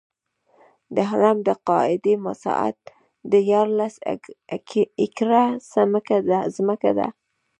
د هرم د قاعدې مساحت دیارلس ایکړه ځمکه ده.